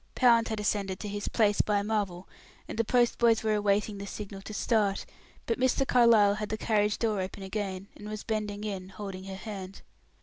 Pound had ascended to his place by Marvel, and the postboys were awaiting the signal to start, but Mr. Carlyle had the carriage door open again, and was bending in holding her hand.